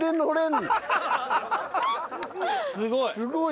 すごい。